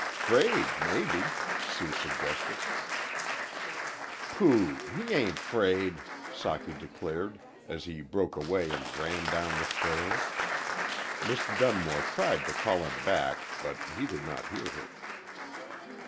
"'Fraid maybe," Sue suggested. "Pooh! he ain't'fraid," Socky declared, as he broke away and ran down the trail. Miss Dun more tried to call him back, but he did not hear her.